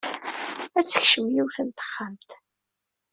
Ad tekcem yiwet n texxamt.